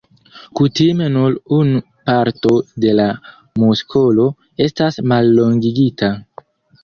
Kutime nur unu parto de la muskolo estas mallongigita.